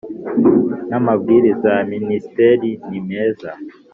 n amabwiriza ya Minisitiri nimeza